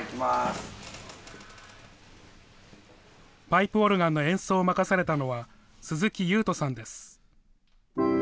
パイプオルガンの演奏を任されたのは、鈴木優翔さんです。